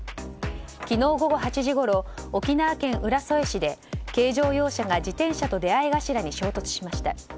昨日午後８時ごろ沖縄県浦添市で軽乗用車が自転車と出会い頭に衝突しました。